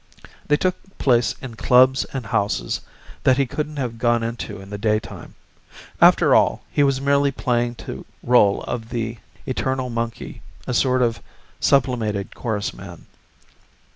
They took place in clubs and houses that he couldn't have gone into in the daytime. After all, he was merely playing to rôle of the eternal monkey, a sort of sublimated chorus man.